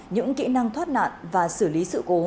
những kỹ năng thoát nạn và xử lý sự cố